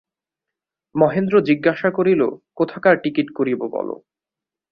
মহেন্দ্র জিজ্ঞাসা করিল, কোথাকার টিকিট করিব বলো।